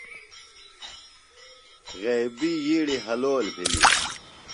غیبیۡ ییڑیۡ حلول بِھلیۡ۔